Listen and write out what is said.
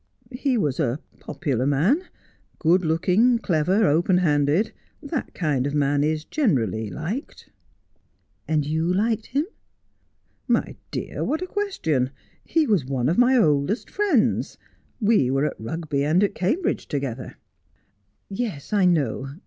' He was a popular man, good looking, clever, open handed. That kind of man is generally liked.' ' And you liked him ?'' My dear, what a question ! He was one of my oldest friends. We were at Rugby and at Cambridge together.' 'Yes, I know.